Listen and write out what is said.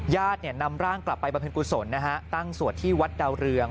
ญาตินำร่างกลับไปบำเพ็ญกุศลนะฮะตั้งสวดที่วัดดาวเรือง